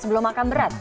sebelum makan berat